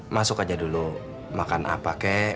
masuk aja dulu makan apa kek